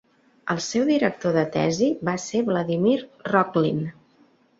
El seu director de tesi va ser Vladimir Rokhlin.